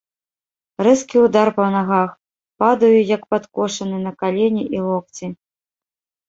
Рэзкі ўдар па нагах, падаю як падкошаны на калені і локці.